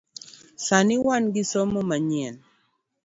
Sani wan gi somo manyien